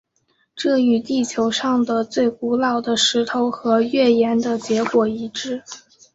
这与地球上的最古老的石头和月岩的结果一致。